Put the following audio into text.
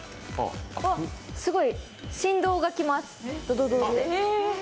すごい振動が来ます。